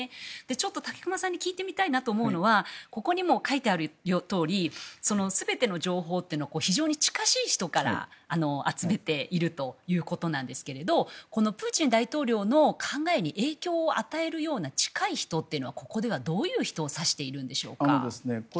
ちょっと武隈さんに聞いてみたいなと思うのはここにも書いてあるとおり全ての情報というのを非常に近しい人から集めているということなんですがプーチン大統領の考えに影響を与えるような近い人っていうのはここではどういう人を指しているんでしょうか。